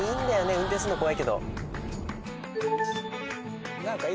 運転すんの怖いけど。